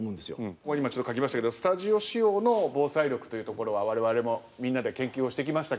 ここに今ちょっと書きましたけどスタジオ仕様の防災力というところは我々もみんなで研究をしてきましたけれども。